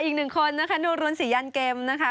อีกหนึ่งคนนะคะนวรุนศรียันเกมนะคะ